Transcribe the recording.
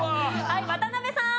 はい渡辺さん。